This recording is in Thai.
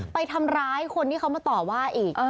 ไปทำร้ายคนที่เขามาต่อว่าอีก